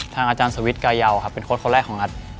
ทางอาจารย์สวิตซ์กายาวเป็นคนแรกของอัจ